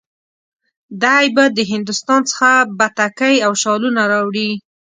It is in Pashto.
دی به د هندوستان څخه بتکۍ او شالونه راوړي.